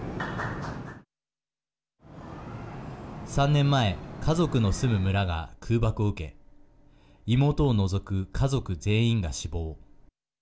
３年前家族の住む村が空爆を受け妹を除く家族全員が死亡。